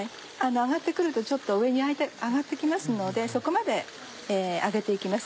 揚がって来るとちょっと上に上がって来ますのでそこまで揚げて行きます。